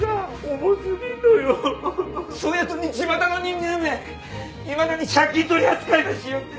そやとにちまたの人間めいまだに借金取り扱いばしよって。